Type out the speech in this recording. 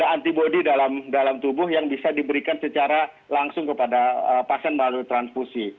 antibody dalam tubuh yang bisa diberikan secara langsung kepada pasien melalui transfusi